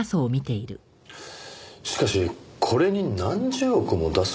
しかしこれに何十億も出す人